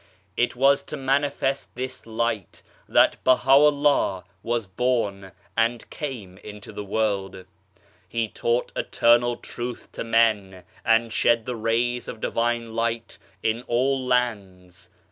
It was to manifest this Light that Baha'ullah was born, and came into the world. He taught Eternal Truth to men, and shed the rays of Divine Light in all lands.